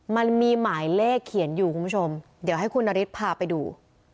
มันมีหมายเลขเขียนอยู่คุณผู้ชมเดี๋ยวให้คุณนฤทธิพาไปดู